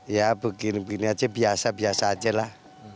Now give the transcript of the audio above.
ya begini begini aja biasa biasa aja lah